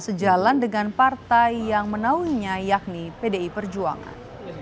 sejalan dengan partai yang menaunginya yakni pdi perjuangan